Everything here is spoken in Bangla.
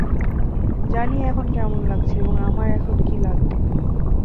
জানি এখন কেমন লাগছে এবং আমার এখন কী লাগবে।